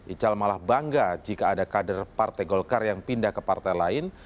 ical malah bangga jika ada kader partai golkar yang pindah ke partai lain